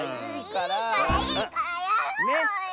いいからいいからやろうよ。